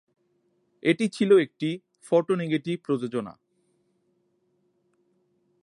এটি ছিল একটি "ফোটো-নেগেটিভ" প্রযোজনা।